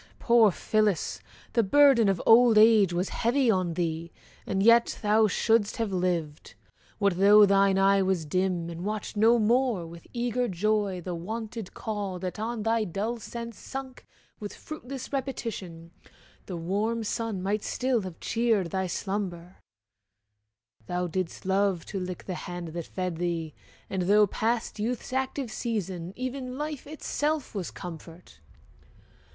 poor Phillis! The burden of old age was heavy on thee, And yet thou shouldst have lived! What though thine eye Was dim, and watched no more with eager joy The wonted call that on thy dull sense sunk With fruitless repetition, the warm sun Might still have cheered thy slumber; thou didst love To lick the hand that fed thee, and though past Youth's active season, even life itself Was comfort.